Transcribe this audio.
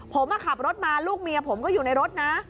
ผมขับรถมาลูกเมียผมก็อยู่ในรถนะ